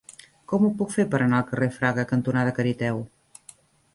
Com ho puc fer per anar al carrer Fraga cantonada Cariteo?